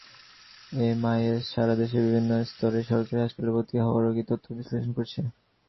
MIS সারা দেশের বিভিন্ন স্তরের সরকারি হাসপাতালে ভর্তি হওয়া রোগীর তথ্য বিশ্লেষণ করেছে।